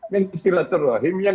yang si peneliti yang